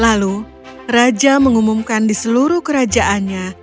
lalu raja mengumumkan di seluruh kerajaannya